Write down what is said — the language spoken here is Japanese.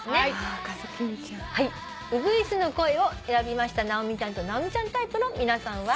『赤ずきんちゃん』「ウグイスの声」を選びました直美ちゃんと直美ちゃんタイプの皆さんは。